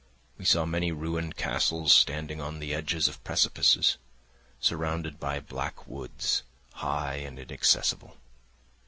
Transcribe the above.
We saw many ruined castles standing on the edges of precipices, surrounded by black woods, high and inaccessible.